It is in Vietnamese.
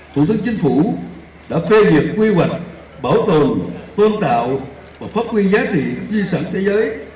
thủ tướng chính phủ đã phê duyệt quy hoạch bảo tồn tôn tạo và phát huy giá trị các di sản thế giới